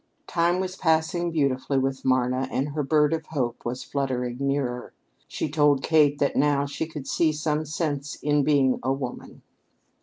Time was passing beautifully with Marna, and her Bird of Hope was fluttering nearer. She told Kate that now she could see some sense in being a woman.